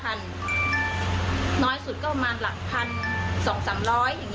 เพราะว่าบางบางทีเขาก็อยากที่ซื้อของส่วนตัวบางที